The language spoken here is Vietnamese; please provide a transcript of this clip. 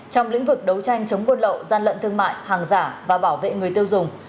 trong lĩnh vực đấu tranh chống buôn lậu gian lận thương mại hàng giả và bảo vệ người tiêu dùng